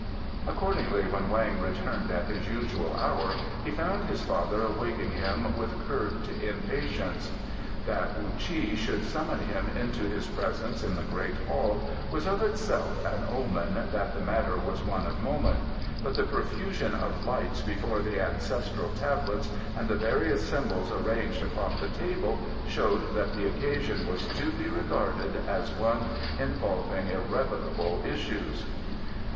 Accordingly, when Weng returned at his usual hour he found his father awaiting him with curbed impatience. That Wu Chi should summon him into his presence in the great hall was of itself an omen that the matter was one of moment, but the profusion of lights before the Ancestral Tablets and the various symbols arranged upon the table showed that the occasion was to be regarded as one involving irrevocable issues.